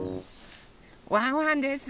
ワンワンです。